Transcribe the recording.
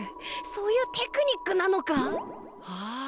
そういうテクニックなのか？